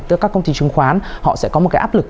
tức các công ty chứng khoán họ sẽ có một cái áp lực